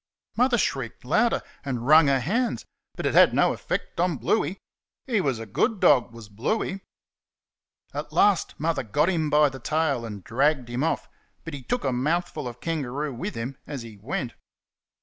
Mother shrieked louder, and wrung her hands; but it had no effect on Bluey. He was a good dog, was Bluey! At last, Mother got him by the tail and dragged him off, but he took a mouthful of kangaroo with him as he went.